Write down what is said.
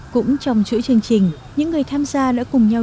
cũng trong chuỗi chương trình những người tham gia đã cùng nhau